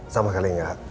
sama kali enggak